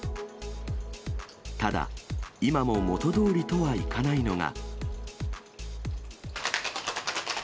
ただ、今も元どおりとはいかないのが。